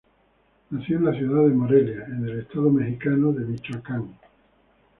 Nació en la ciudad de Morelia, en el estado mexicano de Michoacán.